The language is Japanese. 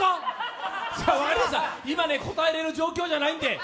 今ね、答えられる状況じゃないので。